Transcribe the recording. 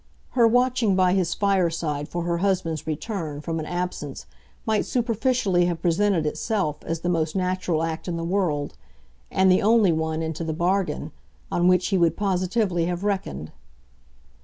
Her watching by his fireside for her husband's return from an absence might superficially have presented itself as the most natural act in the world, and the only one, into the bargain, on which he would positively have reckoned.